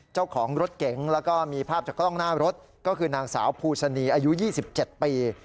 เจ้าของรถเก๋งแล้วก็มีภาพจากกล้องหน้ารถก็คือนางสาวภูสนีอายุ๒๗ปี